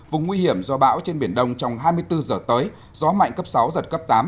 vùng nguy hiểm do bão trên biển đông trong hai mươi bốn giờ tới gió mạnh cấp sáu giật cấp tám